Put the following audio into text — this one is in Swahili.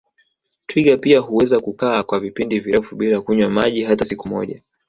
Twiga pia huweza kukaa kwa vipindi virefu bila kunywa maji hata siku moja